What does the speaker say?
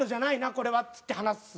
これはっつって話す。